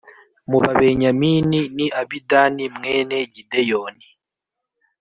mu Babenyamini ni Abidani mwene Gideyoni